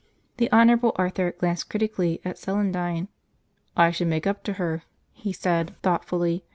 The Honourable Arthur glanced critically at Celandine. "I should make up to her," he said thoughtfully.